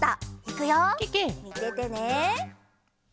みててね。